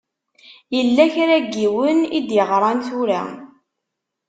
Yella kra n yiwen i d-iɣṛan tura.